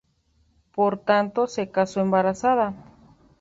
Por tanto, se casó embarazada.